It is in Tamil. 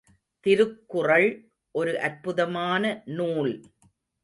திருக்குறள் ஒரு அற்புதமான நூல்!